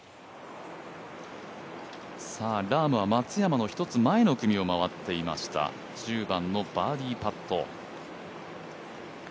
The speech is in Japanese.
ラームは松山の１つ前の組を回っていました１０番のバーディーパット。